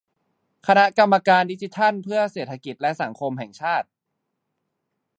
คณะกรรมการดิจิทัลเพื่อเศรษฐกิจและสังคมแห่งชาติ